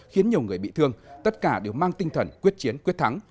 khiến nhiều người bị thương tất cả đều mang tinh thần quyết chiến quyết thắng